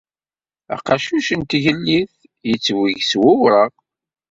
Aqacuc n Tgellidt yettweg s wureɣ.